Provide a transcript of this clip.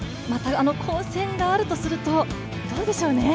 混戦があるとすると、どうでしょうね？